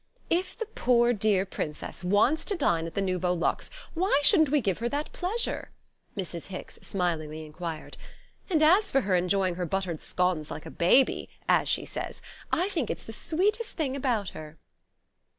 "If the poor dear Princess wants to dine at the Nouveau Luxe why shouldn't we give her that pleasure?" Mrs. Hicks smilingly enquired; "and as for enjoying her buttered scones like a baby, as she says, I think it's the sweetest thing about her."